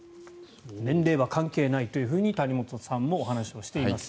年齢は関係ないと谷本さんもお話をしています。